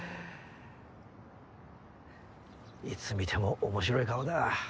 いつ見ても面白い顔だ。